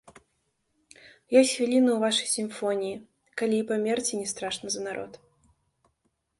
Ёсць хвіліна ў вашай сімфоніі, калі і памерці не страшна за народ.